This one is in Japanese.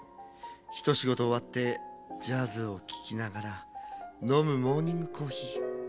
ひとしごとおわってジャズをききながらのむモーニングコーヒー。